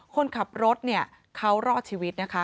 คนขับรถเนี่ยเขารอดชีวิตนะคะ